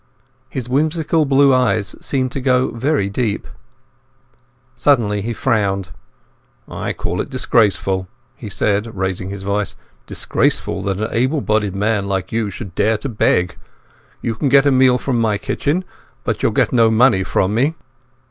His whimsical blue eyes seemed to go very deep. Suddenly he frowned. "I call it disgraceful," he said, raising his voice. "Disgraceful that an able bodied man like you should dare to beg. You can get a meal from my kitchen, but you'll get no money from me."